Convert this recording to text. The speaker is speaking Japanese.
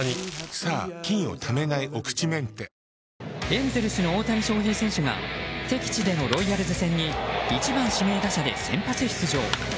エンゼルスの大谷翔平選手が敵地でのロイヤルズ戦に１番指名打者で先発出場。